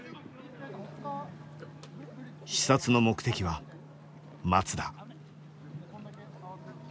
視察の目的は松田。